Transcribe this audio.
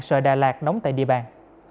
sở đà lạt đóng tại địa bàn